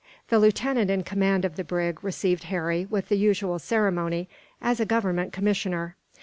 The lieutenant in command of the brig received Harry, with the usual ceremony, as a Government commissioner.